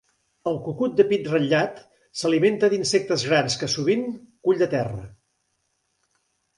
El cucut de pit ratllat s'alimenta d'insectes grans que, sovint, cull del terra.